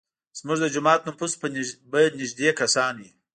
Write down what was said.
زموږ د جومات نفوس به نیږدی کسان وي.